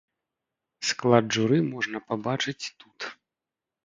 Склад журы можна пабачыць тут.